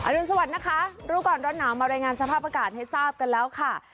รุนสวัสดิ์นะคะรู้ก่อนร้อนหนาวมารายงานสภาพอากาศให้ทราบกันแล้วค่ะ